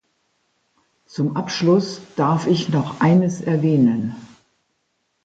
Zum Abschluss darf ich noch eines erwähnen.